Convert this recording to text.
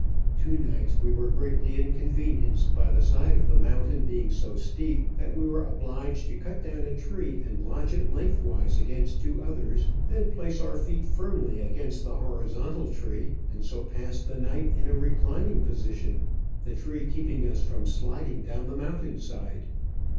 Two nights we were greatly inconvenienced by the side of the mountain being so steep that we were obliged to cut down a tree and lodge it lengthways against two others, then place Digitized by VjOOQIC i8o Travels and Adventures our feet firmly against the horizontal tree, and so pass the night in a reclining position, the tree keeping us from sliding down the mountain side.